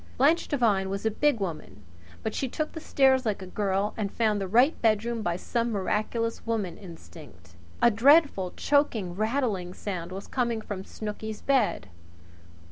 Blanche Devine was a big woman, but she took the stairs like a girl and found the right bedroom by some miraculous woman instinct. A dreadful choking, rattling sound was coming from Snooky's bed.